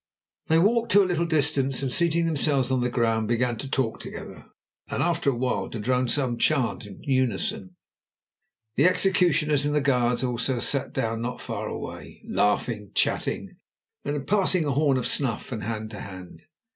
Then they walked to a little distance, and, seating themselves on the ground, began to talk together, and after a while to drone some strange chant in unison. The executioners and the guards also sat down not far away, laughing, chatting, and passing a horn of snuff from hand to hand.